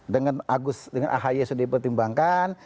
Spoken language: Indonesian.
dengan agus dengan ahy sudah dipertimbangkan